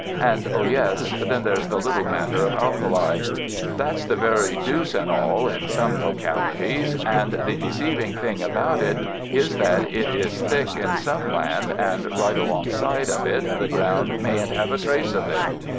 And oh, yes, then there's the little matter of alkali. That's the very deuce and all in some localities, and the deceiving thing about it is that it is thick in some land and right along side of it the ground mayn't have a trace of it.